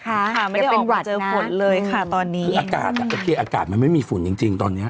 ค่ะไม่ได้เป็นวันเจอฝนเลยค่ะตอนนี้คืออากาศอ่ะโอเคอากาศมันไม่มีฝุ่นจริงจริงตอนเนี้ย